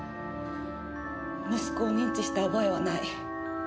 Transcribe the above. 息子を認知した覚えはない。